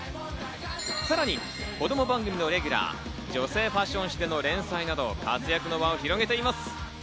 さらに子供番組のレギュラー、女性ファッション誌での連載など、活躍の場を広げています。